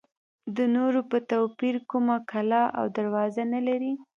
د نورو په توپیر کومه کلا او دروازه نه لري.